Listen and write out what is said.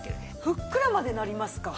ふっくらまでなりますか？